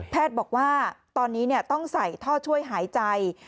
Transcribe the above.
บอกว่าตอนนี้ต้องใส่ท่อช่วยหายใจ